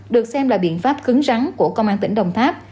được xem là biện pháp cứng rắn của công an tỉnh đồng tháp